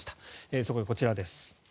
そこでこちらです。